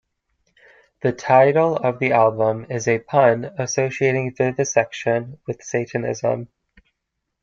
The title of the album is a pun associating vivisection with Satanism.